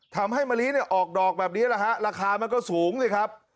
ทำให้มะลิเนี่ยออกดอกแบบนี้แหละฮะราคามันก็สูงสิครับ